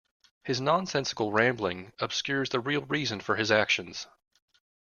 His nonsensical rambling obscures the real reason for his actions.